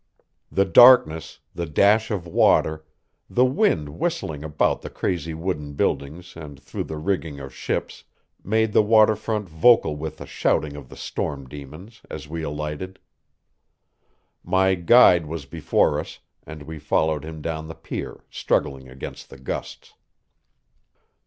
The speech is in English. The darkness, the dash of water, the wind whistling about the crazy wooden buildings and through the rigging of ships, made the water front vocal with the shouting of the storm demons as we alighted. My guide was before us, and we followed him down the pier, struggling against the gusts.